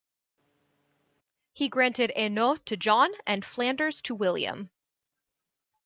He granted Hainaut to John and Flanders to William.